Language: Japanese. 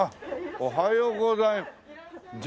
おはようございます。